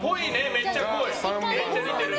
めっちゃっぽい。